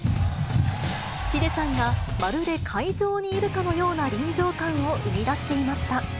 ｈｉｄｅさんが、まるで会場にいるかのような臨場感を生み出していました。